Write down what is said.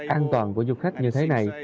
an toàn của du khách như thế này